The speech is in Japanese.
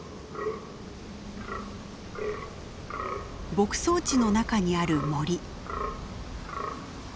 牧草地の中にある森。